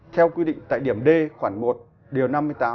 theo quy định tại điểm d khoản một điều năm mươi tám